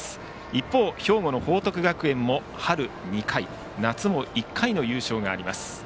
一方、兵庫の報徳学園も春２回夏も１回の優勝があります。